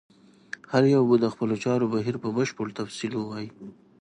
هر یو به د خپلو چارو بهیر په بشپړ تفصیل ووایي.